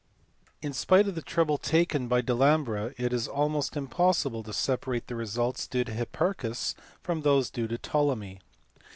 In spite of the trouble taken by Delambre it is almost impossible to separate the results due to Hipparchus from PTOLEMY. 99 those due to Ptolemy.